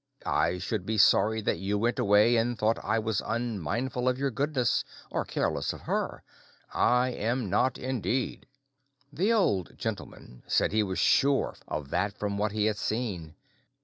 I should be sorry that you went away and thought I was unmindful of your goodness, or careless of her; I am not, indeed." The Old Gentleman said he was sure of that from what he had seen.